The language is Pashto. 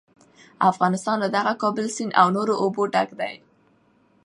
افغانستان له دغه کابل سیند او نورو اوبو ډک دی.